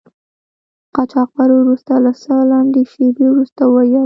قاچاقبر وروسته له څه لنډې شیبې ورته و ویل.